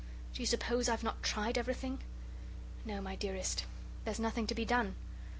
Do you suppose I've not tried everything? No, my dearest, there's nothing to be done.